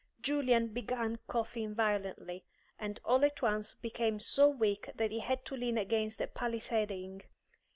Julian began coughing violently, and all at once became so weak that he had to lean against a palisading.